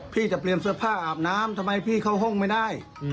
พี่จะเตรียมเสื้อผ้าอาบน้ำทำไมพี่เข้าห้องไม่ได้